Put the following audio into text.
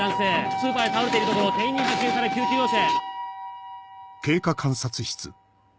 スーパーで倒れているところを店員に発見され救急要請。